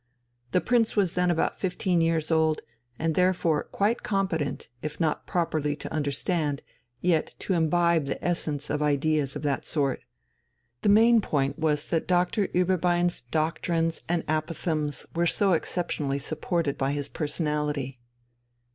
The prince was then about fifteen years old, and therefore quite competent, if not properly to understand, yet to imbibe the essence of ideas of that sort. The main point was that Doctor Ueberbein's doctrines and apophthegms were so exceptionally supported by his personality.